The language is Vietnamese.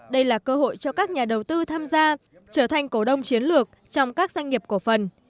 đây là cơ hội cho các nhà đầu tư tham gia trở thành cổ đông chiến lược trong các doanh nghiệp cổ phần